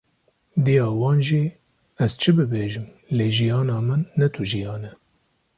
Diya wan jî: Ez çi bibêjim, lê jiyana min, ne tu jiyan e.”